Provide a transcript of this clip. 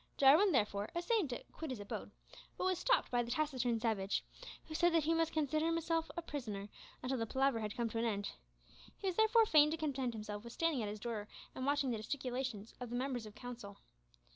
Jarwin, therefore, essayed to quit his abode, but was stopped by the taciturn savage, who said that he must consider himself a prisoner until the palaver had come to an end. He was therefore fain to content himself with standing at his door and watching the gesticulations of the members of council.